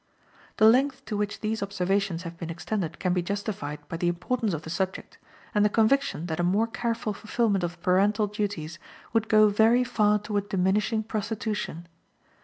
The length to which these observations have been extended can be justified by the importance of the subject, and the conviction that a more careful fulfillment of parental duties would go very far toward diminishing prostitution.